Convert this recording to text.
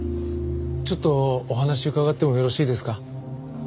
ちょっとお話伺ってもよろしいですか？